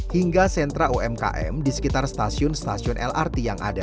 hingga sentra umkm di sekitar stasiun stasiun lrt